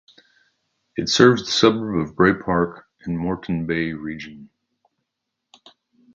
It serves the suburb of Bray Park in the Moreton Bay Region.